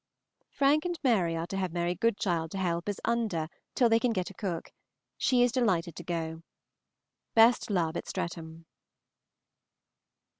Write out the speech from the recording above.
Frank and Mary are to have Mary Goodchild to help as Under till they can get a cook. She is delighted to go. Best love at Streatham.